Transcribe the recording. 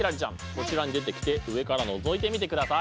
こちらに出てきて上からのぞいてみてください。